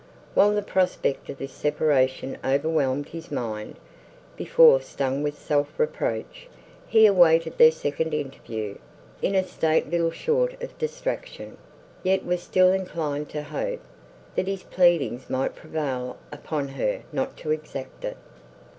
While the prospect of this separation overwhelmed his mind, before stung with self reproach, he awaited their second interview, in a state little short of distraction, yet was still inclined to hope, that his pleadings might prevail upon her not to exact it.